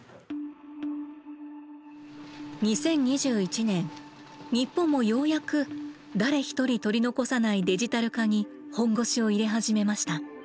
２０２１年日本もようやく「誰一人取り残さないデジタル化」に本腰を入れ始めました。